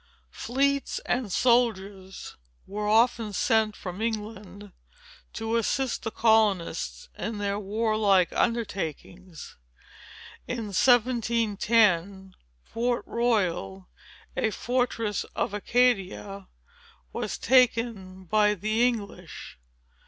Fleets and soldiers were often sent from England, to assist the colonists in their warlike undertakings. In 1710, Port Royal, a fortress of Acadia, was taken by the English.